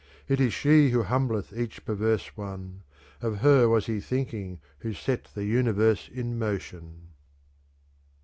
It is she who humbleth each perverse one : of her was he thinking who set the universe in motion.